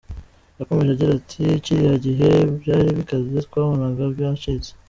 Yakomeje agira ati “Kiriya gihe byari bikaze, twabonaga byacitse.